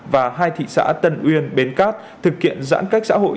và hai thị xã tân uyên bến cát thực hiện giãn cách xã hội